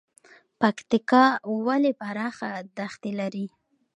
پکتیکا ولې پراخه دښتې لري؟